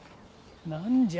何じゃ？